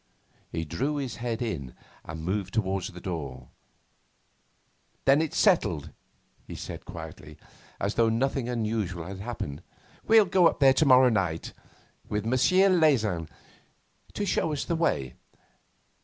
He drew his head in and moved towards the door. 'Then it's settled,' he said quietly, as though nothing unusual had happened; 'we'll go up there to morrow night with Monsieur Leysin to show us the way.